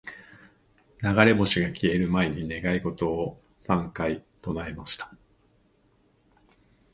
•流れ星が消える前に、願い事を三回唱えました。